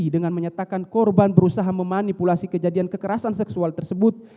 dengan menyatakan korban berusaha memanipulasi kejadian kekerasan seksual tersebut